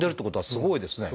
すごいですね。